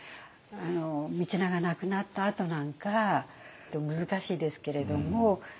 道長亡くなったあとなんか難しいですけれども。